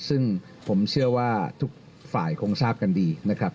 ซึ่งผมเชื่อว่าทุกฝ่ายคงทราบกันดีนะครับ